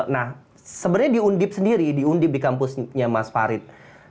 nah sebenarnya di undip sendiri di undip di kampusnya mas farid